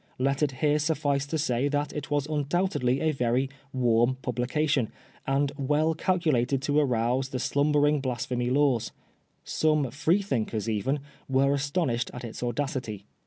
Let it here suffice to say that it was undoubtedly a very " warm " publi dation, and well calculated to arouse the slumbering Blasphemy Laws. Some Freethinkers even were astonished at its audacity.